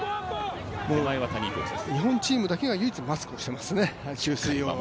日本チームだけが唯一マスクをしていますね、給水ポイント